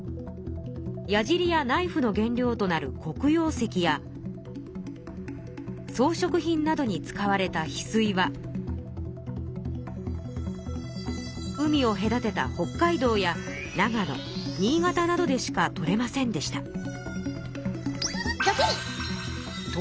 やじりやナイフの原料となる黒曜石やそうしょく品などに使われたヒスイは海をへだてた北海道や長野新潟などでしか採れませんでした。